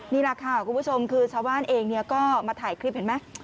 นี่แหละค่ะคุณผู้ชมคือชาวบ้านเองก็มาถ่ายคลิปเห็นไหม